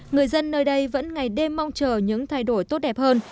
người dân nơi đây vẫn ngày đêm mong chờ những thay đổi tốt đẹp hơn